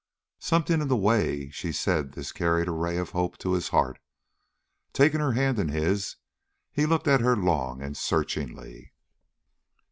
Something in the way she said this carried a ray of hope to his heart. Taking her hand in his, he looked at her long and searchingly.